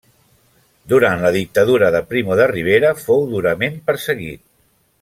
Durant la Dictadura de Primo de Rivera fou durament perseguit.